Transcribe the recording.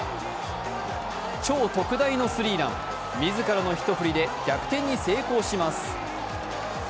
超特大のスリーラン、自らの一振りで逆転に成功します。